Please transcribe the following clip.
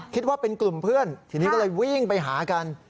คิดว่าเป็นกลุ่มเพื่อนทีนี้ก็เลยวิ่งไปหากัน